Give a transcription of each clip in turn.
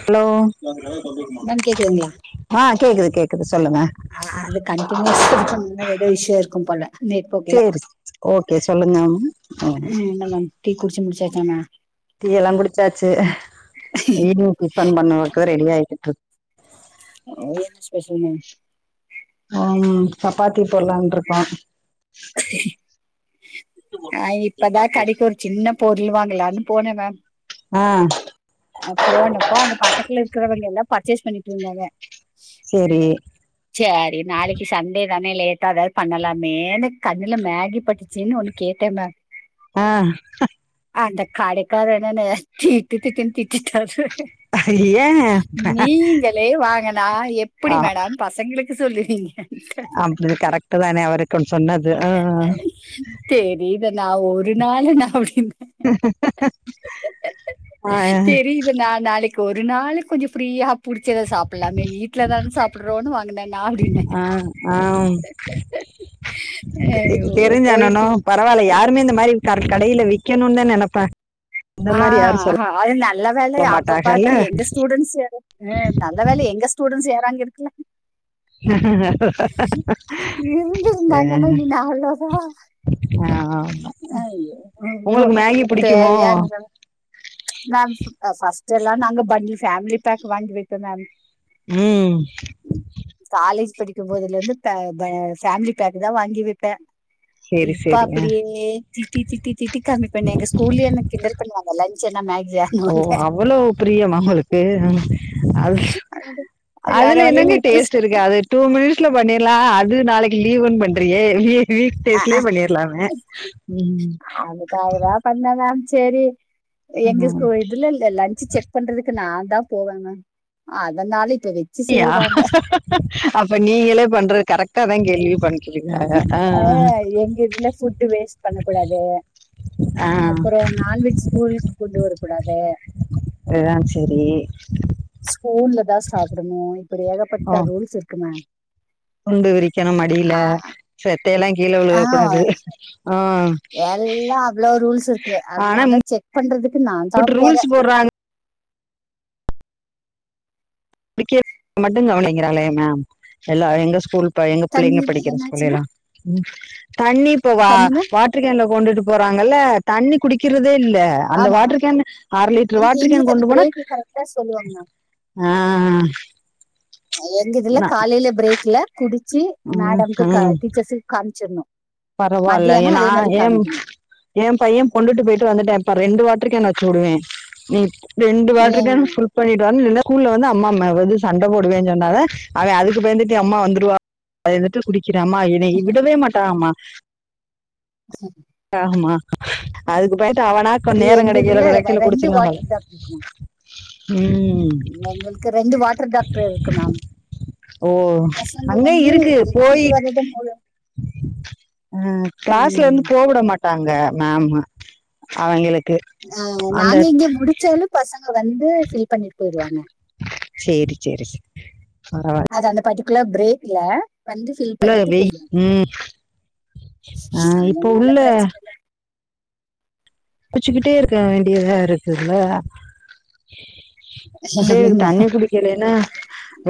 Hello ma'am கேக்குதுங்களா ஆ கேக்குது கேக்குது சொல்லுங்க ஆ அது கண்டினியூஸ் அது பண்ணன்னா நெறய விஷயோ இருக்கும் போல நெட்போக்ல சேரி ஓகே சொல்லுங்க ஆமா என்ன மேம் டீ குடிச்சு முடிச்சாச்சா மா டீய்யல்லாங் குடிச்சாச்சு ஈவி்னிங் டிஃபன் பண்ணுறக்கு ரெடி ஆய்ட்ரு இருக் அங்க என்ன ஸ்பெஷல் மேம் நாங்க சப்பாத்தி போட்லான்ட்ருக்கோ அ இப்பதா கடைக்கு ஒரு சின்ன பொருளு வாங்கலான் போனே மேம் ஆ அ போனப்போ அங்க பக்கத்துல இருக்கிறவங்கெல்லா பர்ச்சேஸ் பண்ணிட்ருந்தாங்க சேரி சேரி நாளைக்கு சண்டே தானே லேட்டா எதாது பண்ணலாமேனு கண்ணுல மேகி பட்டுச்சுன் ஒன்னு கேட்டேபா ஆ அந்த கடைக்காரர கேட்டுட்டு திட்டு திட்டிட்டா ஏன் நீங்களே வாங்குணா எப்டி மேடம் பசங்களுக்கு சொல்லுவீங்க அப்டி கரெக்ட் தான அவருக்கு ஒன்னு சொன்னது தெரி இத நா ஒரு நாளு நா அப்டினு ஆ இது நா நாளைக்கு ஒரு நாளைக்கு கொஞ்சோ ஃப்ரீயா புடிச்சத சாப்பிட்லாமே வீட்லதான சாப் ப்ரோன் வாங்குனே நா அப்டினு ஆ ஆ தெ ஐயோ தெரிஞ்ச அண்ணனு போயிட்டு பரவால்ல யாருமே இந்த மாரி கரீ கடையில விக்கணுனுதா நெனப்பா ஆ அது நல்ல வேல அப்ப மாட்டாங்கல்ல பாத்து எங்க ஸ்டூடெண்ட்ஸ் யாரு ஆ நல்லவேள எங்க ஸ்டூடென்ட்ஸு யாரு அங்க இருக்கல ஆ இருந்திருந்தாங்கன்னா நீங்க அவ்ளோதா ஆமா அயி அதோ உங்களுக்கு மேகி புடிக்குமோ தேவையா இது மேம் ஆ ஃபஸ்ட் எல்லா நாங்க பண்ணி ஃபேமிலி பேக் வாங்கி விப்ப மேம் ம் காலேஜ் படிக்கும் போதுலேருந்து த ப ஃபேமிலி பேக்குதா வாங்கி விப்ப சேரி இப்ப சேரி அ அப்டியே திட்டி திட்டி திட்டி கம்மி பண்ண எங்க ஸ்கூல்லயே என்ன கிண்டல் பண்ணுவாங்க லன்ச் என்ன மேக்ஜா ஓ அவ்வளோ பிரியமா உங்களுக்கு அது வேற அதுல என்னங்க வழியில இப்ப டேஸ்ட் இருக்கு அது டூ மினிட்ஸ்ல பண்ணிர்லா அது நாளைக்கு லீவுன் பண்றியே வீக் ஆ டேஸ்லே ஆ பண்ணிர்லாமே ம் பண்ணலா சேரி எங்க ம் ஸ்கூ இதுல இல்ல லன்ச்சு செக் பண்றதுக்கு நான்தா போவே மேம் அதனால இப்ப வெச் அப்டியா அப்ப நீங்களே பண்றது கரெக்டா தா கேலி பண்றீங்க வேற ஆ எங்க இதுல ஃபுட்டு் வேஸ்ட் பண்ணக் கூடாது ஆ அப்பறோ நான்வெஜ் கூலுக்கு கொண்டு வரக்கூடாது எலலா செரி ஸ்பூன்ல தா சாப்டணு இப்டி ஓ ஏகப்பட்ட ரூல்ஸ் இருக்கு மேம் துண்டு விரிக்கணும் மடியில ஆ செத்தையெல்லா கீழ ஆ விழுக கூடாது ஆ எல்லா அவ்வளோ ரூல்ஸ் இருக்கு ஆனா அதனால செக் பண்றதுக்கு நான்தா இம்புட்டு போற ரூல்ஸ் போட்றாங்க கெட் மட்டு கவனிங்கிறாளே மேம் எல்லா எங்க ஸ்கூல் ப எங்க தண்ணி பிள்ளைங்க படிக்கிற ஸ்கூல்லே என்னாச்சுன்னா எல்லா ம் தண்ணி இப்ப வா தண்ணி மேம் வாட் ரு கேன்ல கொண்டுட்டு போறாங்கல்ல தண்ணி குடிக்கிறதே இல்ல அந்த ஆமா மேம் வாட்டர் கேன்னு அர லிட்டர் வாட்டர் கேனு எங்களுக்கு அந்த கொண்டு போனா பிரேக்கு கரெக்டா சொல்லுவாங்க மேம் ஆ ஆ எங்க இதுல நா காலைல பிரேக்ல குடிச்சு ம் மேடம்க்கு க ம் டீச்சர்ஸ்க்கு காமிச்சர்ணு பரவால்ல ஏனா எம் ஏ பைய கொண்டுட்டு போயிட்டு வந்துட்டே இப்ப ரெண்டு வாட்டர்கேன் வச்சுடுவே நீ ரெண்டு வாட்டர்கேனு ஃபுல் ஏ ஃபுல் பண்ணிட்டு வா ரெண்டாது ஸ்கூல்ல வந்து அம்மா மே இது சண்ட போடுவேன்னு சொன்னால அவன் அதுக்கு பயந்துட்டு அம்மா வந்துடுவா த வந்துட்டு குடிக்கிறா அம்மா இத விடவே மாட்டளா அம்மா எக்ஸாம் ஆமா அதுக்கு போயிட்டு அவனா கொ நேரம் எங்க கிடைக்கல இதுல கிடைக்கல ரெண்டு குடிச்சிருவான் போல வாட்டர் தா குடுக்கணு ம் எங்களுக்கு ரெண்டு வாட்டர் டாக்டர் இருக்கு மேம் ஓ பசங்க அங்கயும் வந்து இருக்கு போய் இட்டுட்டு வர்றதா மூள அ கிளாஸ்ல இருந்து போ விட மாட்டாங்க மேமு அவங்களுக்கு ஆ அந்த நாங்க இங்க முடிச்சாலு பசங்க வந்து ஃபில் பண்ணிட்டு போயிருவாங்க சேரி சேரி சி பரவால் அது அந்த பர்ட்டிகுலர் பிரேக்ல வந்து ஃபில் உள்ளார பண்ணிட்டு வை போயிடும் ம் ஆ இப்போ அதனால உள்ள பிரச்சனை பகுச்சுக்கிட்டே இருக்க வேண்டியதா இருக்குல்ல புள்ளே இது இல்ல தண்ணி குடிக் இல்லேனா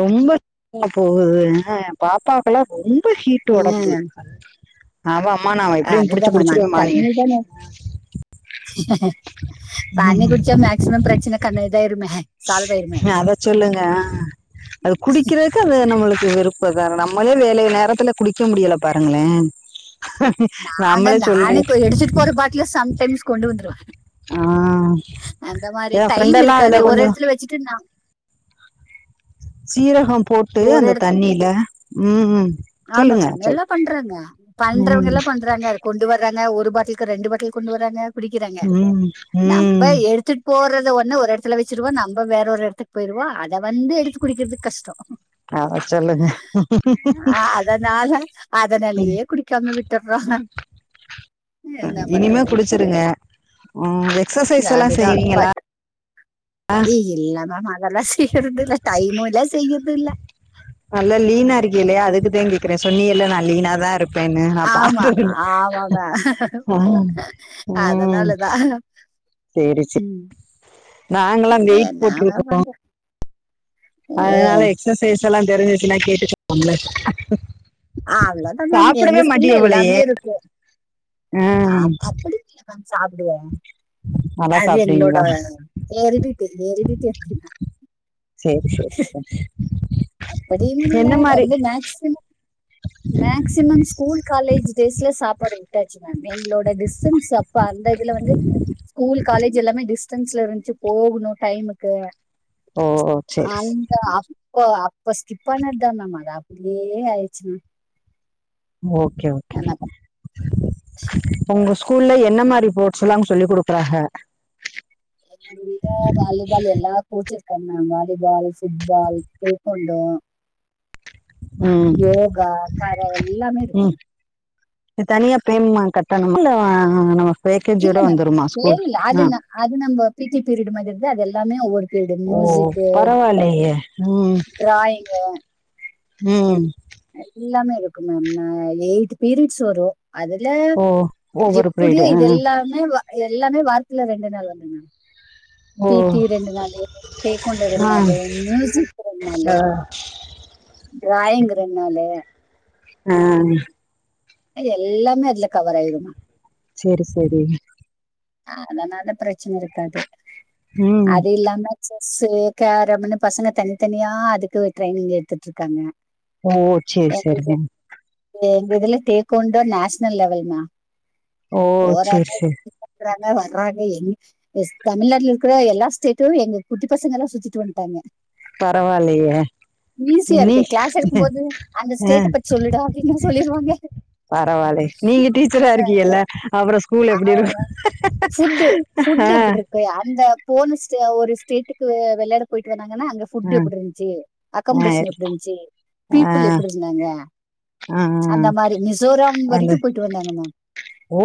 ரொம்ப துங்கபோகுது ஏ பாப்பா அப்பல்லா ரொம்ப ஹீட்டு ஒடம்பு அவ அம்மா நா ஆ, எப்படியு புடிச்சு அதுதான் மேம் அது குடிச்சிருவே மாரிங்கு தண்ணி தானே தண்ணி ம், குடிச்சா மேக்சிம பிரச்சன கண்ணு இதாயிருமே சால்வ் ஆயிருமே அதச் சொல்லுங்க ஆ அது குடிக்கிறக் க்களு நம்மளுக்கு விருப்ப தா நம்மளே வேலை நேரத்துல குளிக்க முடியல பாருங்களே நாங்க நானே கோ எடுச்சிட்டு போற பாட்ல சம்டைம்ஸ் கொண்டு வந்துருவ ஆ அந்த மாரி என் டைம் ஃப்ரெண்டெல்லாம் அதுல இருக்காது ஒரு கொஞ்சம் எடத்துல வெச்சுட்டு நா சீரகம் போட்டு ஒரு அந்த இடத்து தண்ணில ம் ம் ஆமா சொல்லுங்க மேம் சொல் எல்லா பண்றாங்க பண்றவங்க ம் எல்லா பண்றாங்க கொண்டு வர்றாங்க ஒரு பாட்டில்க்கு ரெண்டு பாட்டில் கொண்டு வர்றங்க குடிக்கிறாங்க ம் நம்ப ம் எடுத்துட் போறத ஒண்ணு ஒரு எடத்துல வெச்சுருவா நம்ப வேற ஒரு எடத்துக் போயிருவோ அத வந்து எடுத்து குடிக்கிற்துக் கஷ்டோ அத சொல்லுங்க ஆ அதனால அதனாலையே குடிக்காம விட்டிற்றோ இனிமே குடிச்சிருங்க ஆ எக்சசைஸெல்லாசெய்வீங்களா இ இல்ல மேம் அதெல்லா செ [unintelligible] தே இல்ல டைமு இல்ல செய்யதில்ல கிலே அதுக்குதே கேக்குறே சொன்னிகல்ல நா லீனா தா இரு இப்ப என்ன நா ஆமா பாத்ததில்ல ஆமா மேம் ம் ம் [unintelligible] அதனாலதான் செரி செ ம். நாங்கெல்லா வெயிட் என்ன மேம் போட்டிருக்கிறோ பண்றது ஓ அதனால எக்சசைஸெல்லா தெரிஞ்சுச்சுன்னா கேட்டுக்கலாம்ல ஆ அவ்ளோதா மேம் எங்க ஸ்கூல்ல எல்லாமே இருக்கு ஆ உக்காந் சாப்பிடுவோ நல்லா அது எங்களோட சாப்பிடுவீங்களா எரிடிட்டி எரிடிட்டி அப்டி சரி சரி சரி அப்படீன் இல்ல என்ன மாதிரி ரொம்ப மேக்சிம் மேக்சிமம் ஸ்கூல் காலேஜ் டேஸ்ல சாப்பாடு விட்டாச்சு எங்களோட டிச்டன்ஸ் அப்ப அந்த இதுல வந்து ஸ்கூல் காலேஜு எல்லாமே டிஸ் ஸன்ல இருந்துச்சு போகுனு டைமுக்கு ஓ செரி ப்போ அப்போ அப்போ ஸ்கிப் பண்ணத்தா மாம் அது அப்படியே ஆயிடுச்சுங் ஒகே ஒகே மேம் உங்க ஸ்கூல்ல என்ன மாதிரி போட்ஸெல்லாங் சொல்லி குடுக்கறாக இங்க வாலிபால் எல்லா கோச்சு இருக்கங் மேம் வாலிபால் ஃபுட்பால் கல்க்குண்டோ ம் யோகா கேரம் எல்லாமே இருக்கு ம் தனியா பெமென்‌கட்டணுமா இல்ல அ நம்ம பேக்கேஜியோட இல்ல மேம் வந்துருமா ஸ்கூல் தேவையில்ல அது ஆ ந- அது நம்ம பிடி பீரியட் மாதிரிலா அது எல்லாமே ஒவ்வொரு பீரியடு ஓ ஓ மியூசிக்கு பரவாலையே ம் டிராயிங்கு ம் எல்லாமே இருக்கு மேம் ந எயிட் பீரியட்ஸ் வரு அதுல ஓ ஒவ்வொரு எப்புடியோ பீரியடு இது எல்லாமே வ எல்லாமே வார்த்துல ரெண்டு நாள் வந்திரு மேம் ஓ பீடி ரெண்டு நாளு தேக்கொண்டா ரெண் ஆ நாளு மியூசிக் ரெண் நாளு டிராயிங்குறதுனால ஆ எல்லாமே அதுல கவர் ஆய்ருமா செரி செரி அதனா ப்ரெச்சன இருக்காது ம் அது இல்லாம செஸ்சு கேரமின்னு பசங்க தனி தனியா அதுக்கு ஒரு ட்ரைனிங் எட்த்துட்ருக்காங்க ஓ செர் செரிங்க எங்க இதுல தேக்கொண்டா நேஷ்னல் லெவல்மா ஓ போறாங்க சேரி சேரி சுத்துறாங்க வராங்க எ ஸ் தமிழ்நாட்ல இருக்கிற எல்லா ஸ்டேட்டு எங்க குட்டி பசங்கெல்லா சுத்திட்டு வந்ட்டாங்க பரவாலயே ஈசியாருக்கு கிளாஸ் எடுக்கும்போது அந்த ஆ ஸ்டேட்ட பத் சொல்லுட அப்டின்னா சொல்லிருவாங்க பரவாயில்ல நீங்க டீச்சரா இருக்கீங்கல்ல அப்புற ஸ்கூல் எப்பிடி இருக்கு அ அ அந்த போன ஸ்டே ஒரு ஸ்டேட்டுக்கு வெள்யாட போய்ட்டு வந்தாங்கன்னா அங்க ஃபுட்டு எப்பிடி இருந்ச்சு ஆ ஆ அகமன்டேஷன் எப்டி இர்ந்துச்சு ஆ பீப்பிள் எப்படி இருந்தாங்க ஆ அந்த மாரி மிசோராம் அந்த வரிக்கு போய்ட்டு வந்தாங்கம்மா ஓ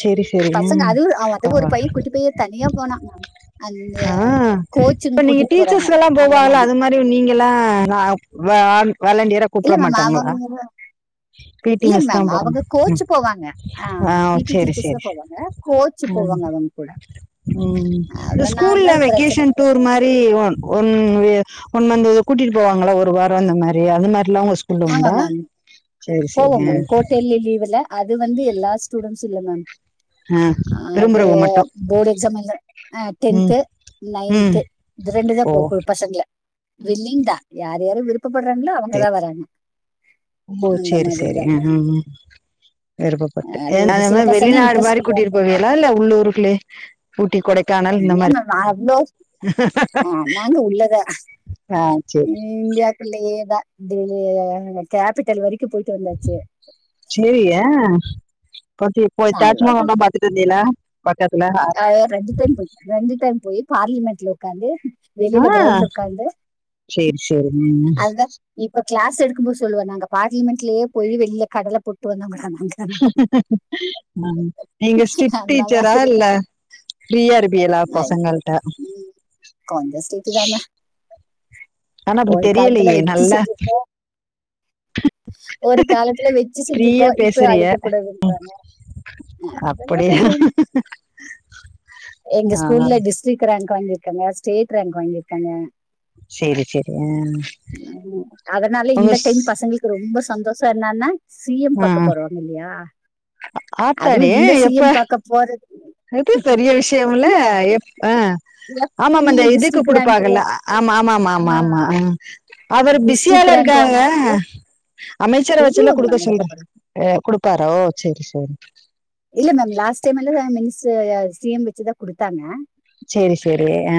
செரி செரி பசங்க ம் அதுவு அதுக்கு ஒரு ஆவா பைய குட்டி பைய தனியா போனா மேம் அந்த ஆ இப்ப கோச்சிங் நீங்க கூட்டிட்டு போறாங்க டீச்சர்ஸ் எல்லா அந்த போவால அது மாரி நீங்கெல்லா அ வா வாலண்டியரா இல்ல கூப்ட மேம் மாட்டாங்களா அவங்க பீ டி இல்ல மிஸ் தா மேம் போறமா அவங்க ம் கோச்சு போவாங்க ஆ அ பிடி சேரி டீச்சர்ஸ் தா சேரி போவாங்க கோச்சு ம் போவாங்க அவங்க கூட ம் இந்த அதனால ஸ்கூல்ல பிரச்சன வெக்கேஷன் டூர் மாரி one one way one month கூட்டிட்டு போவாங்ளா ஒரு வாரோ அந்த மாரி அது மாரில்லா உங்க ஸ்கூல்ல ஆமா உண்டா மேம் சேரி சேரி போவோ ஆ மேம் குவார்ட்டர்லி லீவ்ல அது வந்து எல்லா ஸ்டூடெண்டட்ஸ்சு இல்ல மேம் அ அது போர்டு எக்ஸாம் இல்ல அ ம் டென்த்து ம் நையன்த்து இது ரெண்டு தா ஓ கோ கோ பசங்கள வில்லிங் தா யார் யாரு விருப்ப பட்றாங்களோ அவங்கதா வராங்க ரொம்போ அந்த சேரி மாதிரி சேரி தான் விருப்பப்பட்டு அது ஒரு அத சில மாரி பசங்க வெளிநாடு இன்ட்ரெஸ்ட் மாரி இல்லை கூட்டிட் போவிகளா இல்ல உள்ளூருக்குலே ஊட்டி கொடை காணல் இந்த மாரி அவ்வளோ நாங்க உள்ளதா ஆ சேரி சேரி உள்ளயேதா டெல்லி அ கேபிட்டல் வரைக்கு போயிட்டு வந்தாச்சி செரியா பாத்தி போய் நான் தாஜ்மஹால்லா பாத்துட்டு வந்தீங்களா பக்கத்துல அ ரெண்டு டைம் போய்டே ரெண்டு டைம் போயி பார்லிமெண்ட்ல ஒக்காந்து வெளில ஆ கிரவுண்ட்ல ஒக்காந்து சேரி சேரி ம் அதுதா இப்ப கிளாஸ் எடுக்கும்போது சொல்லுவே நாங்க பார்லிமெண்ட்லயே போய் வெளிய கடல போட்டு வந்தவங்கடா நாங்க ஆ நீங்க ஸ்ட்ரிக் அந்த டீச்சரா மாதிரி இல்ல ஃபிரீயா இருபிகளா பசங்கள்ட கொஞ்சோ ஸ்ரிட்டு தானே ஆனா அப்படி ஒரு காலத்துல தெரியலையே வெச்சி நல்லா செஞ்சப்போ ஒரு காலத்துல வெச்சி செஞ்சிருக்கோ ஃப்ரீயா இப்ப பேசுறிய அடிக்க கூடாதுன்றாங்க அதெல்லா அப்படியா பேசுவே எங்க ஆ, ஸ்கூல்ல டிஸ் ஸ்ட்ரிக் ரேங்க் வாங்கிருக்காங்க ஸ்டேட் ரேங்க் வாங்கி இருக்காங்க சரி சரி ஆ. அதனால உங்க இந்த டைம் ஸ்- பசங்கங்களு ரொம்ப சந்தோஷோ என்னன்னா சி எம் ஆ, பாக்க போறோ இல்லையா. அதுவு ஆத்தாடி இந்த சி எப்ப எம் பாக்க போறத் இது பெரிய விஷய இல்ல எப் ஆ ஆமா எப்பவுமே அந்த இதுக்கு டிஸ்ட்ரிக்ட் ரேங்க் குடுப்பாங்க இல்ல ஆமா ஆமாமா ஆமா ஆமா ஆ அவர் டிஸ்ட்ரிக்ட் பிசியால ரேங்க் இருக்காங்க வாங்கினா அமைச்சர வச்சுல்ல கூப்பிடுவாங்க குடுக்க மேம் எடுக்க சொல்றாரு போறேன் குடுப்பாரோ செரி செரி. இல்ல மேம் லாஸ்ட் டைம் எல்லா மிஸ் சி எம் வச்சுதா குடுத்தாங்க செரி செரி ஆ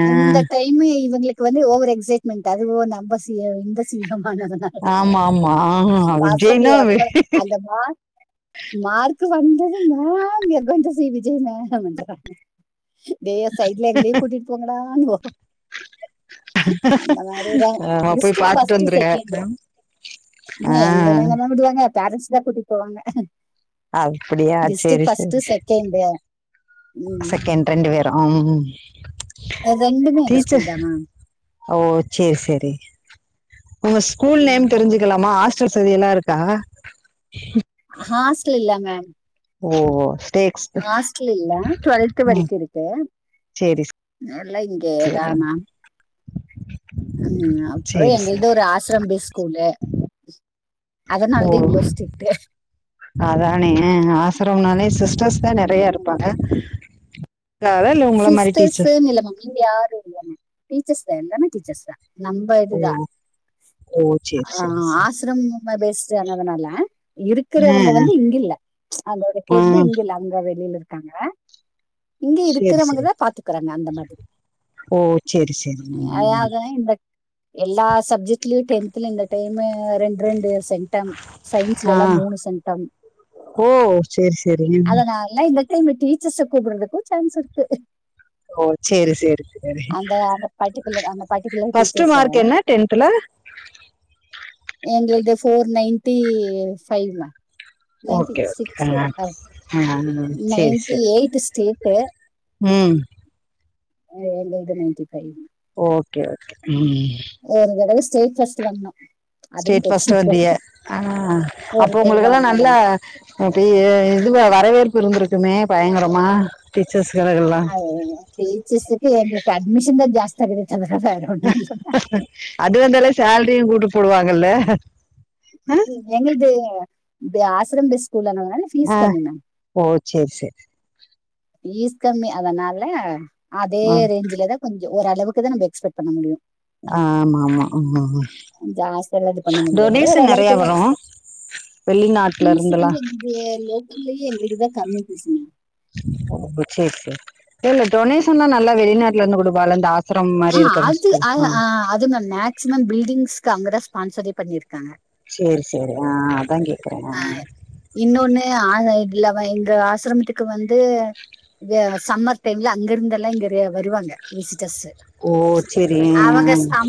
இன்னு இவங்களுக்கு வந்து ஓவர் எக்ஸைட்மெண்ட் அதுவோ நம்ம சி எம் இந்த சி எம் ஆனதுனா ஆமா ஆமா ஆ விஜய்னா வெ இங்கவா மார்க்கு வந்தது மேம் எங்க விஜய் சி விஜய் மேம் இன்றானுங்க டேய் சைட்ல எங்களையு கூட்டிட்டு போங்கடான்போ அந்த மாரி தா ஆ, போய் டிஸ்டிக் பார்த்துட்டு ஃபஸ்ட்டு வந்துருங்க செகண்டு. என்ன ஆ, எங்கல்லாமா விடுவாங்க பேரன்ட்ஸ் தா கூட்டிட்டு போவாங்க அப்டியா சேரி செரி சேந்து செகண்ட் ரெண்டு பேரு ஆ ம் ம் இது ரெண்டுமே எங்க டீச்சர் ஸ்கூல்தா மேம் ஓ செரி செரி உங்க ஸ்கூல் நேம் தெரிஞ்சுக்கலாமாஆஸ் செர் சரி எல்லா இருக்கா ஹாஸ்ட்டலு இல்லங்க ஓ ஸ்டேக்ஸ் ஆஸ்டல் இல்ல டுவெல்த் ம் வரக்கும் இருக்கு. சரி நேர்ல இங்கே சரி இதானா ம் அப்ப சரி எங்கள்து சரி ஒரு ஆஸ். ஸ்ரம்பி ஸ்கூல்லு ஓ அதனாலதா இவ்ளோ ஸ்ட்ரீட்டு அதானே ஆசரம் நாலே சிஸ்டர்ஸ் தா நெறைய இருப்பாங்க இல்ல அதான் உங்கள மாரி டீச்சர் நீங்க யாரும் இல்ல ம் டீச்சர்ஸ் வேண்டம் டீச்சர்ஸ் தா நம்ப ஓ இதுதா ஓ சரி ஆ சரி சரி ஆசிரம் ப பெஸ்டு ஆனதுனால ஆ, இருக்கிறவங்க வந்து இங்க இல்ல அதோட ஆ ஹெட்டு இங்க இல்ல அங்க வெளில இருக்காங்க இங்க சரி சரி இருக்கிறவங்கதா பாத்துக்குறாங்க அந்த மாதிரி. ஓ சேரி சேரி உம். அதாவது இந்த எல்லா சப்ஜெக்ட்லயு டெந்த்துல இந்த டைம்மூ ரெண் ரெண்டு சென்டம் சயின்ஸலா ஆ எல்லா மூணு சென்டம் ஓ சேரி சேரி ஏ இந்த டைம்மு டீச்சர்ஸ கூப்பிடறதுக்கு சான்ஸ் ருக்கு. ஓ சேரி சேரி சேரி அந்த பர்டிகுலர் அந்த பர்டிகுலர் ஃபஸ்ட்டு டீச்சர்ஸ் மார்க் என்ன டென்த்துல எங்கள்து four ninety five nine ninety okay six okay ஆ சேரி நைன்த்து சேரி எய்ட்டு ஸ்டேட்டு ம் அது ரெண்டுது நைன்டி ஃபை ஓகே ஓகே ம். ஒரு தடவ ஸ்டேட் ஃபஸ்ட் வரணு ஸ்டேட் பஸ்ட்டா வந்தீய ஆ ஒரு அப்போ கை வாங்கின உங்களுக்கெல்லாநல்லா. மேம் அப்பயே இதுவா வரவேற்பு இருந்திருக்குமே பயங்கரமா. டீச்சர்ஸ்க்கு எதனா ஹெல்ப் [unintelligible] டீச்சர்ஸ்க்கு எங்களுக்கு அட்மிஷன் தா ஜாஸ்தி ஆகுது தவர வேற ஒன்னு இல்லங்க அது வந்தாலே சேல்ரியு கூட்டு போடுவாங்கல எங்கள்து இது ஆசரம் பேஸ் ஸ்கூல் அதனால தான ஆ ஓ செரி செரி பீஸ் கம்மி அதனால அதே ஆ ரேஞ்ச்லதா கொஞ்ச ஓரளவுக்கு தா நம்ப எக்ஸ்பெக்ட் பண்ண முடியு ஆமாமா ம் ம கு ஜாஸ்தியலா இது பண்ண முடியாது ஒரு அளவுக்குலா வரு எக்ஸ்பெட் வெளிநாட்ல இருந்தெல்லா எ லோக்கல்லயே எங் வீடு தா கம்மி பீஸுங்க அப் சேரி சேரி ஏங்க டொனேஷன்னா நல்லா வெளிநாட்டுல இருந்து கொடுப்பால்ல இந்த ஆஸ் ஃப்ரம் மாரி ஆ இருக்கிற அது ஸ்கூல் அது ஆ அதுன்னா மேக்சிமம் பில்டிங்ஸ்க்கு அங்கதா ஸ்பான்சரே பண்ணிருக்காங்க. சேரி சேரி ஆ அதாங்கே. ஆ இன்னொன்னு ஆ இல்ல எங்க ஆசிரமத்துக்கு வந்து கே சம்மர் டைம்ல அங்க இருந்து எல்லாம் இங்கதே வருவாங்க விசிட்டர்ஸ். ஓ சேரி அவங்க ஆ. சம்